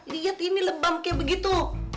liat ini lebang kayak begitu